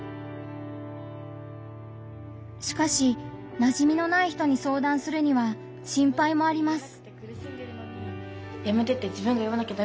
しかしなじみのない人に相談するには心配もあります。